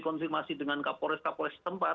konfirmasi dengan kapolres kapolres tempat